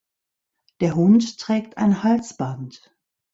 Der Hund trägt ein Halsband.